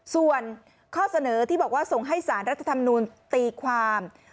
ส่วนข้อเสนอที่บอกว่าส่งให้สารรัฐธรรมนูลตีความ